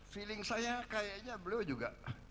feeling saya kayaknya beliau juga